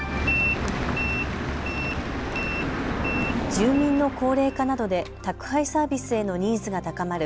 住民の高齢化などで宅配サービスへのニーズが高まる